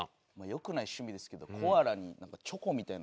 よくない趣味ですけどコアラにチョコみたいなのをかけて。